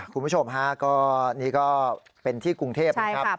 คุณผู้ชมนี่เป็นที่กรุงเทพฯนะครับ